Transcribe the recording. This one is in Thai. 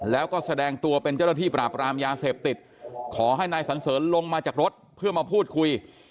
แล้วก็แสดงตัวเป็นเจ้าหน้าที่ปราบรามยาเสพติดขอให้นายสันเสริญลงมาจากรถเพื่อมาพูดคุย